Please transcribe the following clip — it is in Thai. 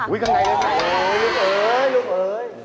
อู๊ยกั้นไหนเลยค่ะลูกเอ๋ยลูกเอ๋ย